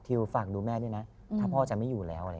ฝากดูแม่ด้วยนะถ้าพ่อจะไม่อยู่แล้ว